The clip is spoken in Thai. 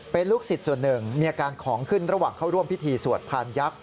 เป็นลูกศิษย์ส่วนหนึ่งมีอาการของขึ้นระหว่างเข้าร่วมพิธีสวดพานยักษ์